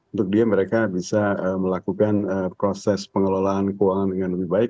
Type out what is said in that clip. untuk dia mereka bisa melakukan proses pengelolaan keuangan dengan lebih baik